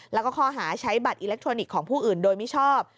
แล้วก็ข้อหาใช้บัตรอิเล็กทรอนิกส์ของผู้อื่นโดยมิชอบ